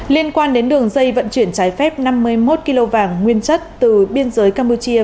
liên quan đến đường dây vận chuyển trái phép năm mươi một kg vàng nguyên chất từ biên giới campuchia